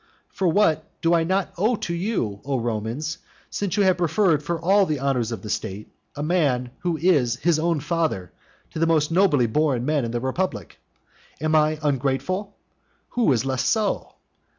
For what do I not owe to you, O Romans, since you have preferred for all the honours of the state a man who is his own father to the most nobly born men in the republic? Am I ungrateful? Who is less so?